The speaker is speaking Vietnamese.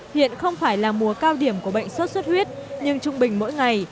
hiện không phải là mùa cao điểm của bệnh sốt xuất huyết nhưng trung bình mỗi ngày